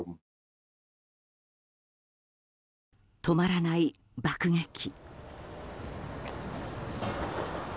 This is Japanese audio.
止まらない爆撃。